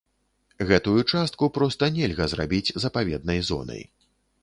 Гэтую частку проста нельга зрабіць запаведнай зонай.